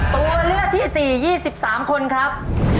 ตัวเลือกที่๔ยี่สิบสามคนครับ